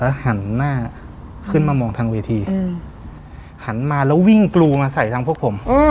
หันหน้าขึ้นมามองทางเวทีหันมาแล้ววิ่งกรูมาใส่ทางพวกผม